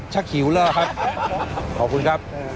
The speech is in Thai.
ถ้าหิวแล้วครับขอบคุณครับ